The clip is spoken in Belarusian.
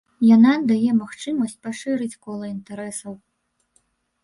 Яна дае магчымасць пашырыць кола інтарэсаў.